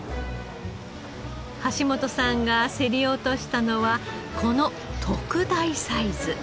橋本さんが競り落としたのはこの特大サイズ。